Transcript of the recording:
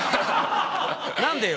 何で？